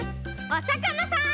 おさかなさん！